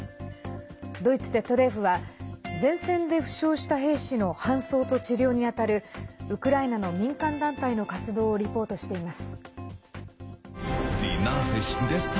ドイツＺＤＦは、前線で負傷した兵士の搬送と治療に当たるウクライナの民間団体の活動をリポートしています。